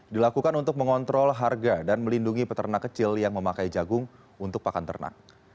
dilakukan untuk mengontrol harga dan melindungi peternak kecil yang memakai jagung untuk pakan ternak